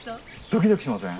ドキドキしません？